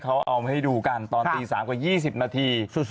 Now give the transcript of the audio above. เขาเอามาให้ดูกันตอนตี๓กว่า๒๐นาที